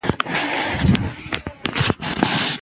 ادبي مواد باید په سمه توګه خپاره شي.